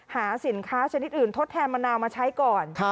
หาสินค้าชนิดอื่นทดแทนมะนาวมาใช้ก่อน